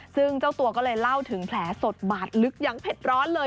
ซึ่งเจ้าตัวก็เลยเล่าถึงแผลสดบาดลึกอย่างเผ็ดร้อนเลย